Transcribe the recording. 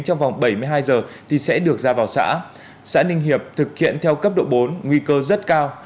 trong vòng bảy mươi hai giờ thì sẽ được ra vào xã xã ninh hiệp thực hiện theo cấp độ bốn nguy cơ rất cao